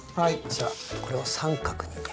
じゃあこれを三角に。